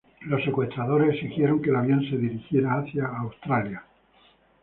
Los secuestradores exigieron que el avión se dirigiera hacia Australia.